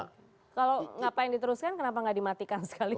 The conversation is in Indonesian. kalau ngapain diteruskan kenapa enggak dimatikan sekalian